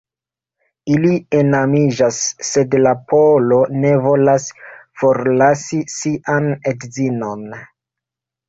Ili enamiĝas, sed la polo ne volas forlasi sian edzinon.